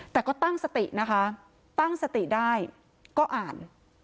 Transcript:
แต่ก็ตั้งสตินะคะตั้งสติได้ก็อ่าน